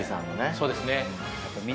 そうですね